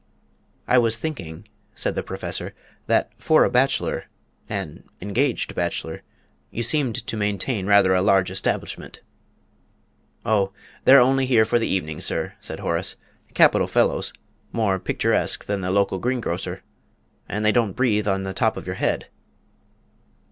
"I was thinking," said the Professor, "that for a bachelor an engaged bachelor you seemed to maintain rather a large establishment." "Oh, they're only here for the evening, sir," said Horace. "Capital fellows more picturesque than the local greengrocer and they don't breathe on the top of your head."